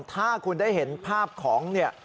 ถ้าคุณได้เห็นภาพของเนี่ย